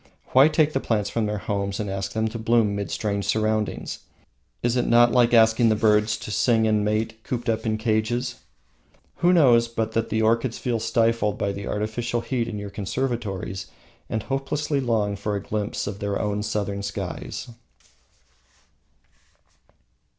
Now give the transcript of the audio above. Why take the plants from their homes and ask them to bloom mid strange surroundings? Is it not like asking the birds to sing and mate cooped up in cages? Who knows but that the orchids feel stifled by the artificial heat in your conservatories and hopelessly long for a glimpse of their own Southern skies?